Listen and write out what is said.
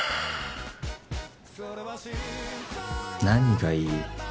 何がいい？